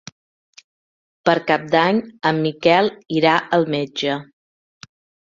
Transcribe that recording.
Per Cap d'Any en Miquel irà al metge.